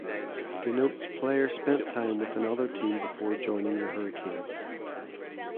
Denotes player spent time with another team before joining the Hurricanes.